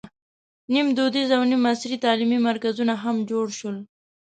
نیم دودیز او نیم عصري تعلیمي مرکزونه هم جوړ شول.